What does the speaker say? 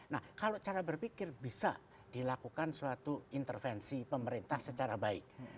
nah kalau cara berpikir bisa dilakukan suatu intervensi pemerintah secara baik